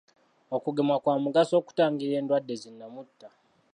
Okugema kwa mugaso okutangira endwadde zi nnamutta.